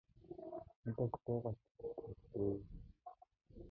Надаас гуйгаа ч үгүй л дээ.